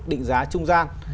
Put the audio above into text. định giá trung gian